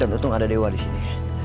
dan untung ada dewa disini